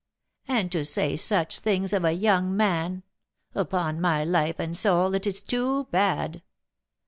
"And to say such things of a young man! Upon my life and soul, it is too bad."